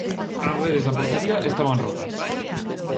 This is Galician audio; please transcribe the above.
As redes da portería estaban rotas.